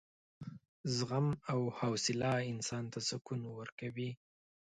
زغم او حوصله انسان ته سکون ورکوي.